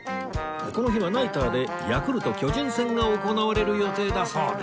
この日はナイターでヤクルト巨人戦が行われる予定だそうで